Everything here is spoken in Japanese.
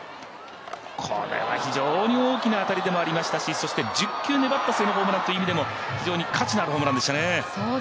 これは非常に大きな当たりでもありましたし１０級粘った末のホームランという意味でも非常に価値のあるホームランでしたね。